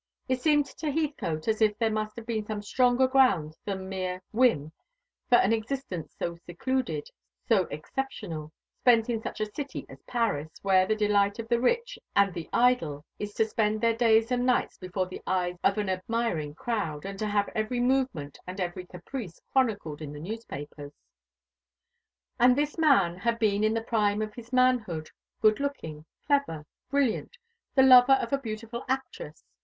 It seemed to Heathcote as if there must have been some stronger ground than mere whim for an existence so secluded, so exceptional, spent in such a city as Paris, where the delight of the rich and the idle is to spend their days and nights before the eyes of an admiring crowd, and to have every movement and every caprice chronicled in the newspapers. And this man had been in the prime of his manhood, good looking, clever, brilliant, the lover of a beautiful actress.